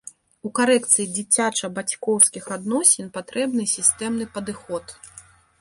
У карэкцыі дзіцяча-бацькоўскіх адносін патрэбны сістэмны падыход.